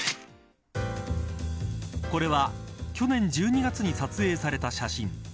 これは去年１２月に撮影された写真。